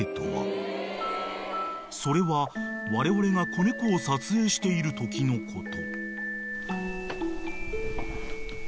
［それはわれわれが子猫を撮影しているときのこと］